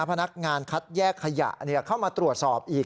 พนักงานคัดแยกขยะเข้ามาตรวจสอบอีก